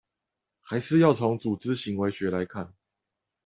還是要從「組織行為學」來看